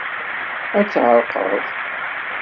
Ad tɛerqeḍ.